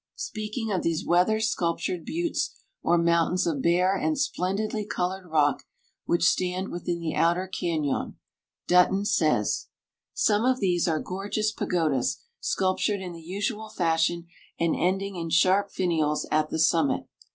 Speaking of these weather sculptured buttes or mountains of bare and splendidly colored rock which stand within the outer cañon, Dutton says: "Some of these are gorgeous pagodas, sculptured in the usual fashion, and ending in sharp finials at the summit.